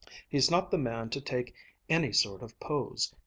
He's not the man to take any sort of pose.